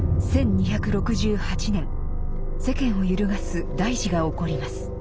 １２６８年世間を揺るがす大事が起こります。